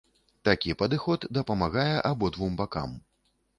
Такі падыход дапамагае абодвум бакам.